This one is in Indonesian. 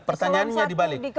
pertanyaannya di balik